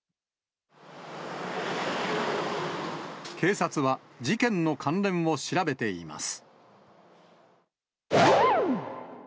警察は、事件の関連を調べています。